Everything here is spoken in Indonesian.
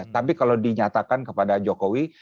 tapi kalau dinyatakan kepada jokowi